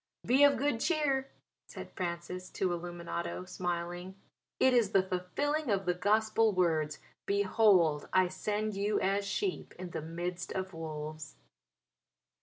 "Be of good cheer," said Francis to Illuminato, smiling, "it is the fulfilling of the Gospel words 'Behold I send you as sheep in the midst of wolves.'"